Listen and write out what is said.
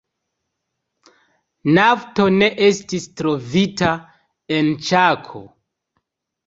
Nafto ne estis trovita en Ĉako.